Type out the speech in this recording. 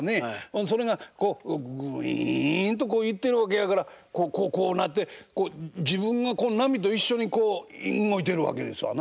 それがグインとこういってるわけやからこうなって自分が波と一緒にこう動いてるわけですわな。